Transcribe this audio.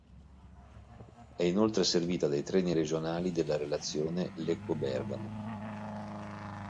È inoltre servita dai treni regionali della relazione Lecco-Bergamo.